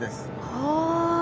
はあ。